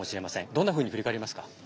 どんなふうに振り返りますか。